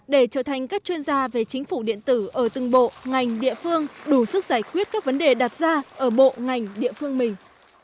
để trở thành các chuyên gia về chính phủ điện tử ở từng bộ ngành địa phương đủ sức giải quyết các vấn đề đặt ra ở bộ ngành địa phương mình